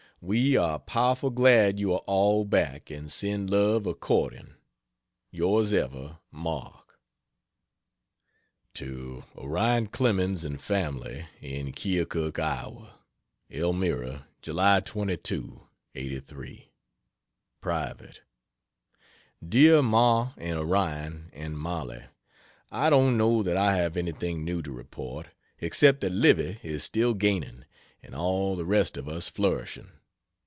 We are powerful glad you are all back; and send love according. Yrs Ever MARK To Onion Clemens and family, in Keokuk, Id.: ELMIRA, July 22, '83. Private. DEAR MA AND ORION AND MOLLIE, I don't know that I have anything new to report, except that Livy is still gaining, and all the rest of us flourishing.